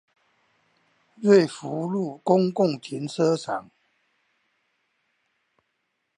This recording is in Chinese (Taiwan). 瑞福路公共停車場